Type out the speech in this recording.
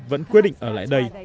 vẫn quyết định ở lại đây